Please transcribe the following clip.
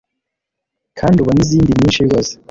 kandi ubone izindi nyinshi rwose